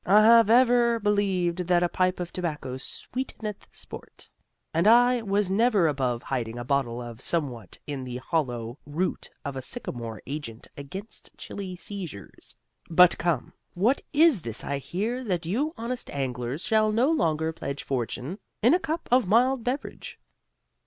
I have ever believed that a pipe of tobacco sweeteneth sport, and I was never above hiding a bottle of somewhat in the hollow root of a sycamore against chilly seizures. But come, what is this I hear that you honest anglers shall no longer pledge fortune in a cup of mild beverage?